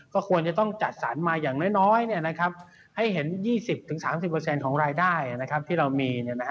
ก็ควรจะต้องจัดสรรมาอย่างน้อยให้เห็น๒๐๓๐ของรายได้ที่เรามี